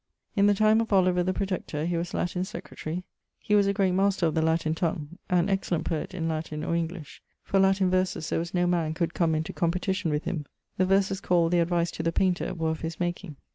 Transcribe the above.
In the time of Oliver the Protector he was Latin Secretarie. He was a great master of the Latin tongue; an excellent poet in Latin or English: for Latin verses there was no man could come into competition with him. The verses called The Advice to the Painter were of his making.